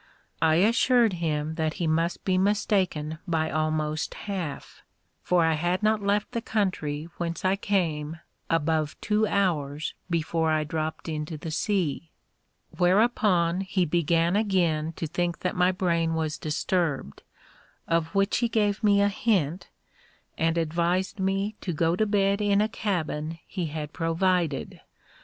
I assured him that he must be mistaken by almost half, for I had not left the country whence I came above two hours before I dropped into the sea. Whereupon he began again to think that my brain was disturbed, of which he gave me a hint, and advised me to go to bed in a cabin he had provided.